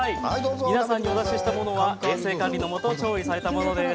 皆さんにお出ししたものは衛生管理がされたものです。